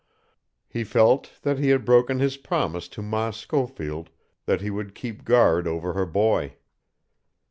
He felt that he had broken his promise to Ma Schofield that he would keep guard over her boy.